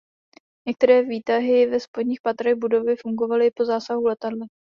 Některé výtahy ve spodních patrech budovy fungovaly i po zásahu letadly.